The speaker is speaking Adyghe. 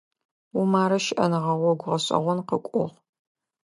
Умарэ щыӀэныгъэ гъогу гъэшӀэгъон къыкӀугъ.